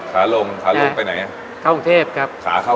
ขาลงไปไหนขาข้าวกรุงเทพครับ